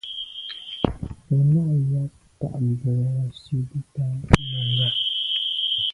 Bú nâ' yɑ́p tà' mbrò wàsìbìtǎ Nùnga.